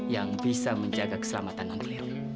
yang bisa menjaga keselamatan atlet